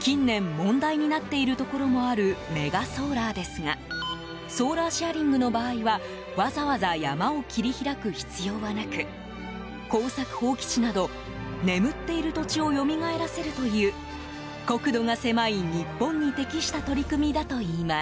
近年問題になっているところもあるメガソーラーですがソーラーシェアリングの場合はわざわざ山を切り開く必要はなく耕作放棄地など眠っている土地をよみがえらせるという国土が狭い日本に適した取り組みだといいます。